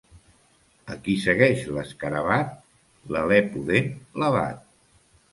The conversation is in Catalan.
A qui segueix l'escarabat, l'alè pudent l'abat.